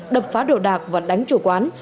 đập phá đồ đạc và đánh chủ quán